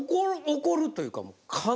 怒るというか。